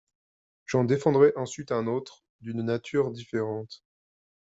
J’en défendrai ensuite un autre, d’une nature différente.